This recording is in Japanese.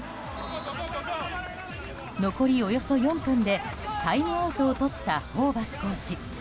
残りおよそ４分でタイムアウトをとったホーバスコーチ。